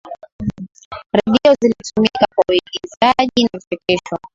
redio zilitumika kwa uigizaji na vichekesho